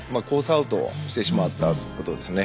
アウトしてしまったことですね。